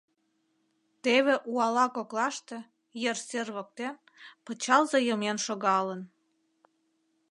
Теве уала коклаште, ер сер воктен, пычалзе йымен шогалын.